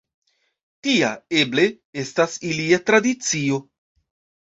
Tia, eble, estas ilia tradicio.